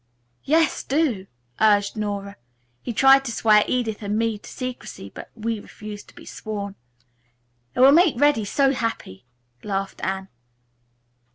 "Yes, do," urged Nora. "He tried to swear Edith and me to secrecy, but we refused to be sworn." "It will make Reddy so happy," laughed Anne.